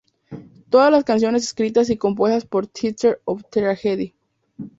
Todas las canciones escritas y compuestas por Theatre of Tragedy.